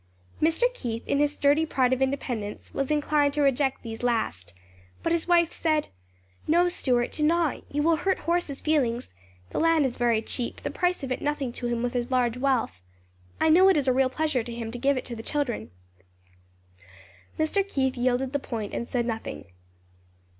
Mr. Keith, in his sturdy pride of independence, was inclined to reject these last; but his wife said, "No, Stuart, do not; you will hurt Horace's feelings; the land is very cheap, the price of it nothing to him with his large wealth; I know it is a real pleasure to him to give it to the children." Mr. Keith yielded the point and said nothing.